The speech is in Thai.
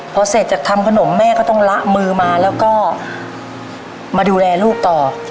พอเสร็จจากทำขนมแม่ก็ต้องละมือมาแล้วก็มาดูแลลูกต่อ